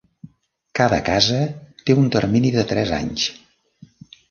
Cada casa té un termini de tres anys.